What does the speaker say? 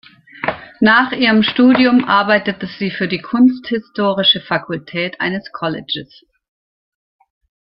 Nach ihrem Studium arbeitete sie für die kunsthistorische Fakultät eines Colleges.